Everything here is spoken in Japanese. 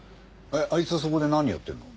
あいつそこで何やってるの？